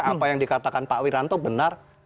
apa yang dikatakan pak wiranto benar